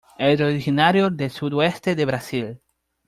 Es originario del sudoeste de Brasil.